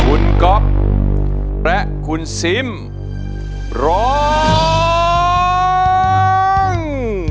คุณก๊อฟและคุณซิมร้อง